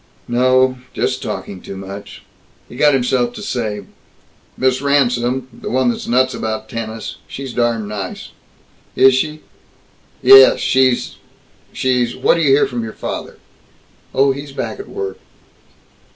"No, just just talking too much." He got himself to say, "Miss Ransome the one that's nuts about tennis she's darn nice." "Is she?" "Yes, she's she's What do you hear from your father?" "Oh, he's back at work."